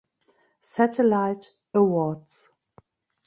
Satellite Awards